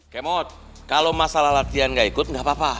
kemot kalau masalah latihan gak ikut gak apa apa